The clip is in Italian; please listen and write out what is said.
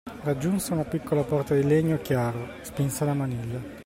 Raggiunse una piccola porta di legno chiaro, spinse la maniglia.